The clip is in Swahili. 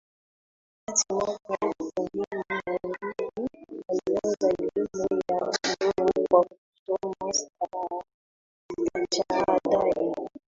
hadi mwaka elfu mbili na mbili alianza elimu ya juu kwa kusoma Stashahada ya